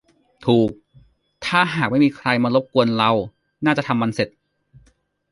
ถูก ถ้าหากไม่มีใครมารบกวนเราน่าจะทำมันเสร็จ